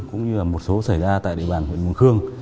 cũng như một số xảy ra tại địa bàn huyện huỳnh khương